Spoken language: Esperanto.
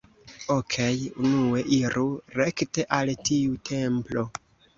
Okej. Unue, iru rekte al tiu templo.